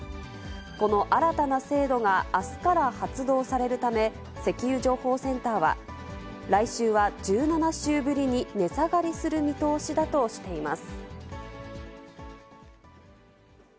この新たな制度があすから発動されるため、石油情報センターは、来週は１７週ぶりに値下がりする見通しだとしています。